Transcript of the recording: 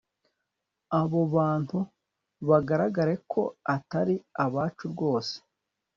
abo bantu bagaragare ko atari abacu rwose